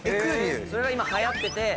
それが今はやってて。